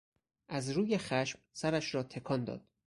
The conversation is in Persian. از روی خشم سرش را تکان داد.